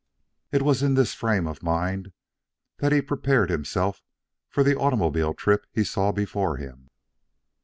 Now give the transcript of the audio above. It was in this frame of mind that he prepared himself for the automobile trip he saw before him.